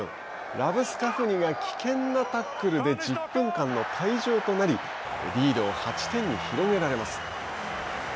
ラブスカフニが危険なタックルで１０分間の退場となりリードを８点に広げられます。